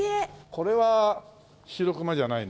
これはシロクマじゃないな。